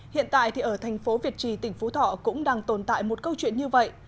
hiện tại thì ở thành phố việt trì tỉnh phú thọ cũng đang tồn tại một câu chuyện như vậy